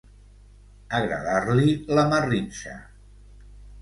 Agradar-li la marrinxa.